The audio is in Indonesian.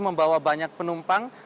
membawa banyak penumpang